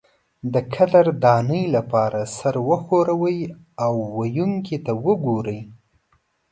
د قدردانۍ لپاره سر وښورئ او ویونکي ته وګورئ.